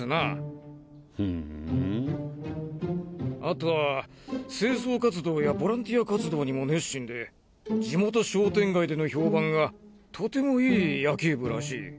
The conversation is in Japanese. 後は清掃活動やボランティア活動にも熱心で地元商店街での評判がとてもいい野球部らしい。